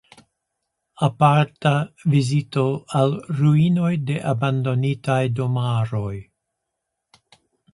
Aparta vizito al ruinoj de abandonitaj domaroj.